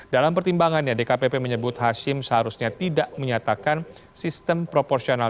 dalam pertimbangannya dkpp menyebut hashim seharusnya tidak menyatakan sistem proporsional